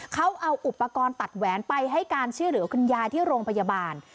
เขาเอาอุปกรณ์ตัดแหวนไปให้การช่วยเหลือคุณยายที่โรงพยาบาล